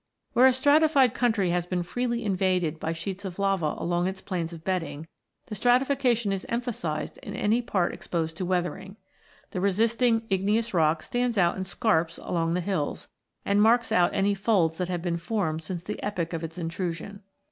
Where a stratified country has been freely invaded by sheets of lava along its planes of bedding, the stratification is emphasised in any part exposed to weathering. The resisting igneous rock stands out in scarps along the hills, and marks out any folds that have been formed since the epoch of its intrusion.